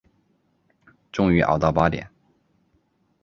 终于熬到八点